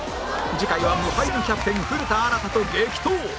次回は無敗のキャプテン古田新太と激闘！